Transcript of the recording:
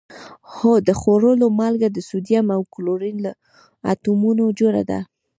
هو د خوړلو مالګه د سوډیم او کلورین له اتومونو جوړه ده